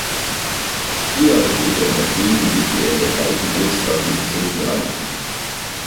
Vier Jahre später in Athen belegte er in der gleichen Bootsklasse den zehnten Rang.